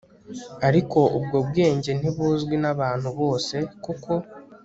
ariko ubwo bwenge ntibuzwi n abantu bose kuko